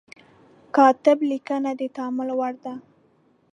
کاتب لیکنه د تأمل وړ ده.